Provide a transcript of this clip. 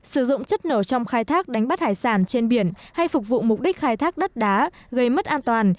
sử dụng chất nổ trong khai thác đánh bắt hải sản trên biển hay phục vụ mục đích khai thác đất đá gây mất an toàn